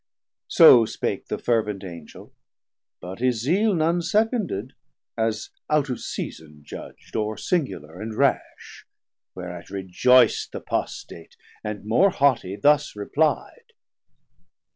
So spake the fervent Angel, but his zeale None seconded, as out of season judg'd, Or singular and rash, whereat rejoic'd Th' Apostat, and more haughty thus repli'd.